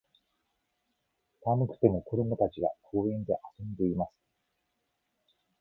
寒くても、子供たちが、公園で遊んでいます。